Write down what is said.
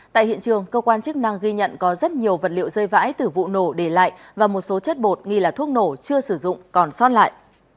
tại hiện trường cơ quan chức năng ghi nhận có rất nhiều vật liệu rơi vãi từ vụ nổ để lại và một số chất bột nghi là thuốc nổ chưa sử dụng còn xót lại